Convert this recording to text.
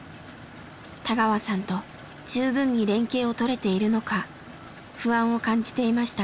田川さんと十分に連携をとれているのか不安を感じていました。